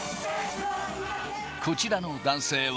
こちらの男性は。